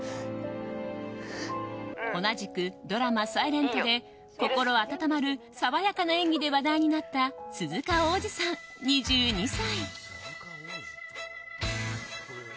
同じくドラマ「ｓｉｌｅｎｔ」で心温まる爽やかな演技で話題になった鈴鹿央士さん、２２歳。